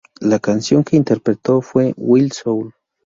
La canción que interpretó fue "Wild Soul".